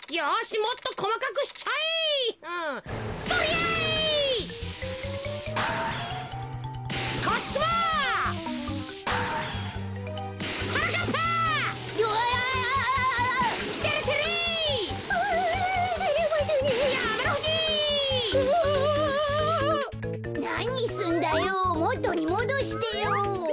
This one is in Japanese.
もとにもどしてよ。